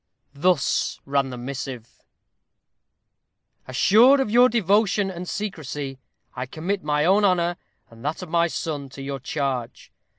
Thus ran the missive: "Assured of your devotion and secrecy, I commit my own honor, and that of my son, to your charge.